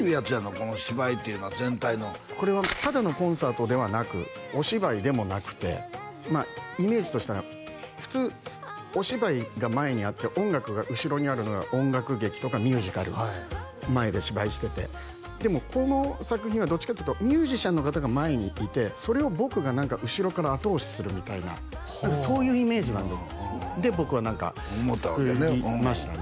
この芝居というのは全体のこれはただのコンサートではなくお芝居でもなくてイメージとしたら普通お芝居が前にあって音楽が後ろにあるのが音楽劇とかミュージカル前で芝居しててでもこの作品はどっちかっていうとミュージシャンの方が前にいてそれを僕が何か後ろから後押しするみたいなそういうイメージなんですで僕は作りましたね思うたわけね